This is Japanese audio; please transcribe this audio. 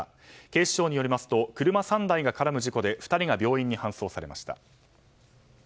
警視庁によりますと車３台が絡む事故で２人が病院に搬送されました。